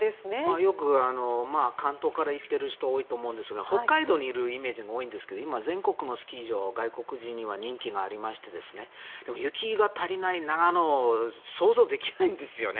よく関東から行っている人は多いと思うんですが北海道にいるイメージが多いんですけど今、全国のスキー場外国人には人気がありまして雪が足りない長野想像できないんですよね。